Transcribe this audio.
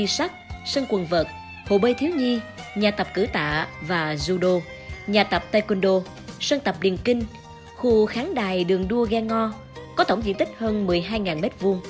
sân quần vợt hồ bơi thiếu nhi nhà tập cử tạ và judo nhà tập taekwondo sân tập điền kinh khu kháng đài đường đua ghe ngo có tổng diện tích hơn một mươi hai m hai